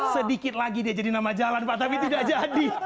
sedikit lagi dia jadi nama jalan pak tapi tidak jadi